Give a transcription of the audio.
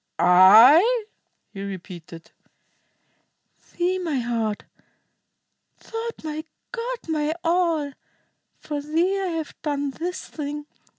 "I?" he repeated. "Thee, my heart. Thou'rt my god, my all. For thee I have done this thing.